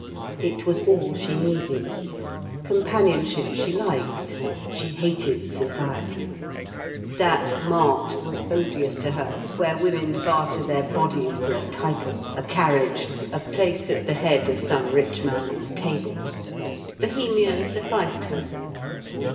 It was all she needed. Companionship she liked; she hated society. That mart was odious to her where women barter their bodies for a title, a carriage, a place at the head of some rich man's table. Bohemia sufficed her.